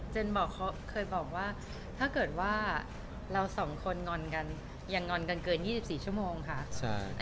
เจนบอกเคยบอกว่าถ้าเกิดว่าเราสองคนงอนกันอย่างงอนกันเกินยี่สิบสี่ชั่วโมงค่ะใช่